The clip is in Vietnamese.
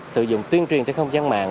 sử dụng tuyên truyền trên không gian mạng